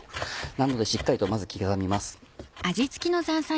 なのでしっかりとまず刻みます。